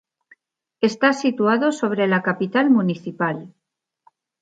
Está situado sobre la capital municipal.